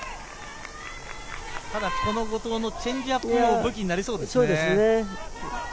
後藤のチェンジアップは武器になりそうですね。